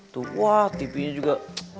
tuh tv nya juga